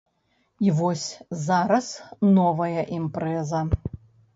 І вось зараз новая імпрэза.